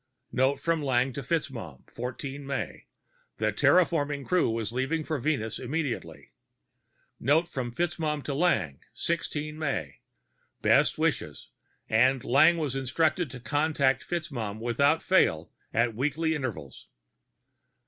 Note from Lang to FitzMaugham, 14 May: the terraforming crew was leaving for Venus immediately. Note from FitzMaugham to Lang, 16 May: best wishes, and Lang was instructed to contact FitzMaugham without fail at weekly intervals.